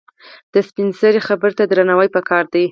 د سپینسرې خبره ته درناوی پکار دی.